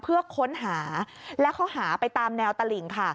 เพื่อค้นหาและเขาหาไปตามแนวตลิ่งค่ะ